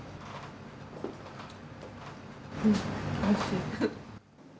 うん、おいしい。